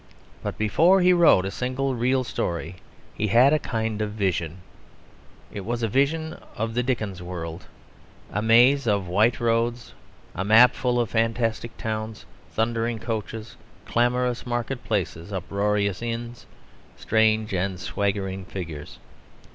But before he wrote a single real story, he had a kind of vision. It was a vision of the Dickens world a maze of white roads, a map full of fantastic towns, thundering coaches, clamorous market places, uproarious inns, strange and swaggering figures.